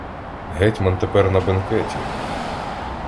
Гетьман тепер на бенкеті!